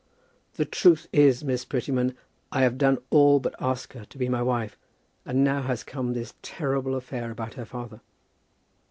"The truth is, Miss Prettyman, I have done all but ask her to be my wife, and now has come this terrible affair about her father."